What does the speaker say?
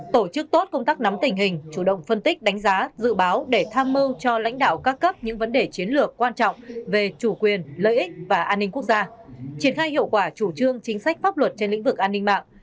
tổ chức tốt công tác nắm tình hình chủ động phân tích đánh giá dự báo để tham mưu cho lãnh đạo các cấp những vấn đề chiến lược quan trọng về chủ quyền lợi ích và an ninh quốc gia triển khai hiệu quả chủ trương chính sách pháp luật trên lĩnh vực an ninh mạng